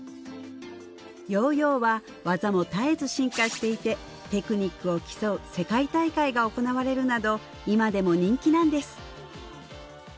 ヨーヨーは技も絶えず進化していてテクニックを競う世界大会が行われるなど今でも人気なんです